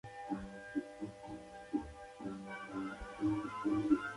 El cobertizo y Taller se encontraban en un costado de la Maestranza Yungay.